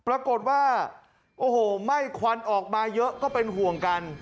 ปรากฏว่าโอ้โหไหม้ควันออกมาเยอะก็เป็นห่วงกัน